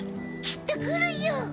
きっと来るよ！